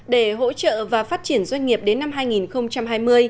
để hỗ trợ và phát triển doanh nghiệp đến năm hai nghìn hai mươi